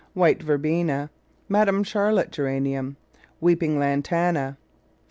White Verbena. Madame Charlotte Ger. (salmon). (salmon). Weeping Lantana. Var.